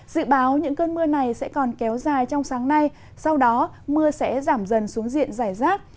dự báo những cơn mưa này sẽ còn kéo dài trong sáng nay sau đó mưa sẽ giảm dần xuống diện giải rác